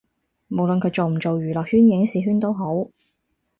無論佢做唔做娛樂圈影視圈都好